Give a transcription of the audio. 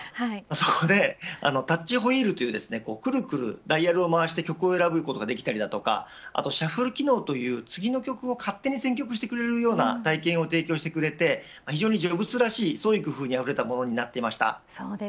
そこで、タッチホイールというくるくるダイヤルを回して曲を選ぶことができたりシャッフル機能という次の曲を勝手に選曲してくれるという体験を提供してくれて非常にジョブスらしい創意工夫にあふれたものになっていました。